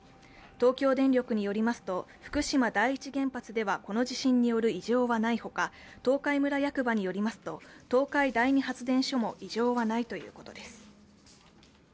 東京電力によりますと福島第一原発ではこの地震による異常はない他東海村役場によりますと、東海第２発電所も異常はないということです。